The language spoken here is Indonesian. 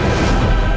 aku akan menang